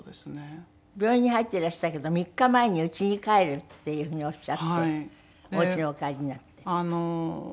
病院に入っていらしたけど３日前にうちに帰るっていう風におっしゃっておうちにお帰りになって。